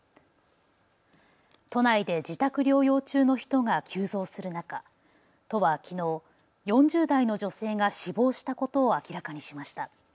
都内で自宅療養中の人が急増する中、都はきのう、４０代の女性が死亡したことを明らかにしました。